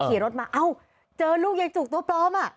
ขี่รถมาเอ้าเจอลูกยายจุกตัวปลอมอ่ะ